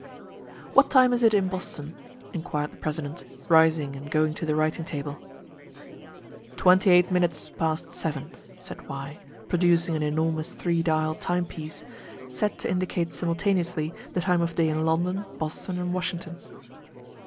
"What time is it in Boston?" inquired the president, rising and going to the writing table. "Twenty eight minutes past seven," said Y, producing an enormous three dial time piece, set to indicate simultaneously the time of day in London, Boston, and Washington.